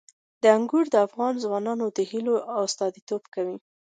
انګور د افغان ځوانانو د هیلو استازیتوب کوي.